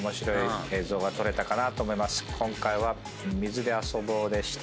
「今回は水で遊ぼうでした。